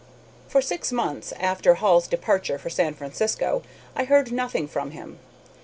For six months after Hall's departure for San Francisco I heard nothing from him.